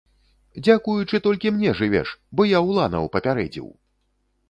Дзякуючы толькі мне жывеш, бо я уланаў папярэдзіў!